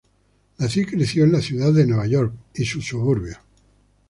Nació y creció en la ciudad de Nueva York y sus suburbios.